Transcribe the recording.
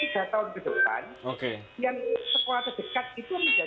jadi jangan dibayangkan sekolah favorit sekarang dan sekarang setiap